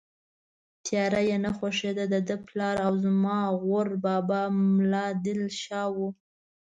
تیاره یې نه خوښېده، دده پلار او زما غور بابا ملا دل شاه و.